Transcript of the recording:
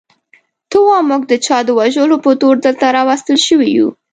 ته وا موږ د چا د وژلو په تور دلته راوستل شوي یو.